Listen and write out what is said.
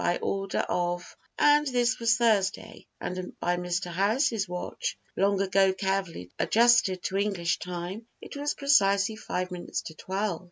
By order of " And this was Thursday, and by Mr. Harris's watch, long ago carefully adjusted to English time, it was precisely five minutes to twelve.